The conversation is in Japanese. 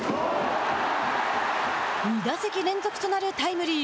２打席連続となるタイムリー。